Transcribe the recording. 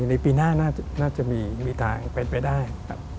ในปีหน้าน่าจะมีทางเป็นไปได้ครับ